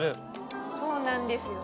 そうなんですよ。